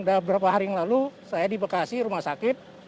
beberapa hari yang lalu saya di bekasi rumah sakit